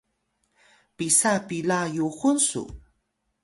pisa pila yuxun su?